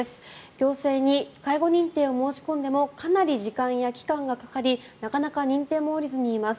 行政に介護認定を申し込んでもかなり時間や期間がかかりなかなか認定も下りずにいます。